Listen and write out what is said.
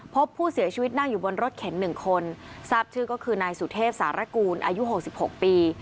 พบผู้เสียชีวิตนั่งอยู่บนรถเข็น๑คนทราบชื่อก็คือนายสุเทพสารกูลอายุ๖๖ปี